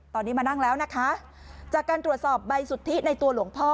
ตอนนี้มานั่งแล้วนะคะจากการตรวจสอบใบสุทธิในตัวหลวงพ่อ